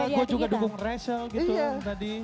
padahal gue juga dukung rachel gitu tadi